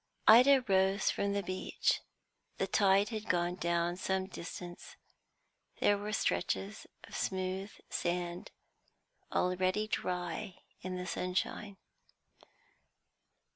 Ida rose from the beach. The tide had gone down some distance; there were stretches of smooth sand, already dry in the sunshine.